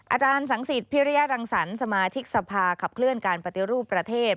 อาจารย์สังสิทธิพิริยรังสรรค์สมาชิกสภาขับเคลื่อนการปฏิรูปประเทศ